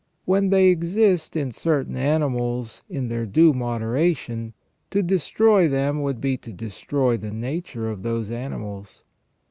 When they exist in certain animals in their due moderation, to destroy them would be to destroy the nature of those animals.